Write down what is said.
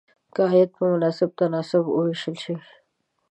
که عاید په مناسب تناسب وویشل شي.